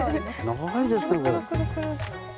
長いですねこれ。